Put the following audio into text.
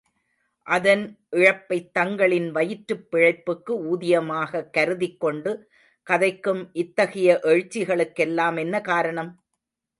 அதன் இழப்பைத் தங்களின் வயிற்றுப் பிழைப்புக்கு ஊதியமாகக் கருதிக் கொண்டு கதைக்கும் இத்தகைய எழுச்சிகளுக்கெல்லாம் என்ன காரணம்?